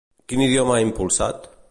Quin idioma ha impulsat?